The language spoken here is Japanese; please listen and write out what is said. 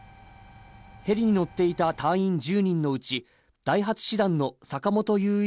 ヘリに乗っていた隊員１０人のうち、第８師団の坂本雄一